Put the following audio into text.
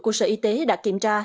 của sở y tế đã kiểm tra